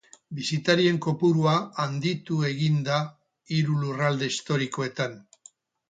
Bisitarien kopurua handitu egin da hiru lurralde historikoetan.